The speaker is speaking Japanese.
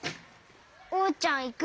おうちゃんいく？